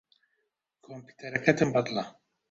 کۆمپیوتەرەکەتم بەدڵە.